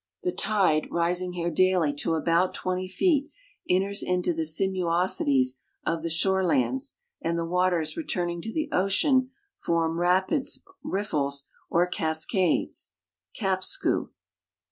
The tide, rising here daily to about twenty feet, enters into the sinuosi ties of the shorelands, and the waters returning to the ocean form rapids, riffles, or cascades (kai)sku).